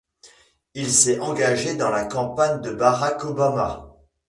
Il s'est engagé pour la campagne de Barack Obama.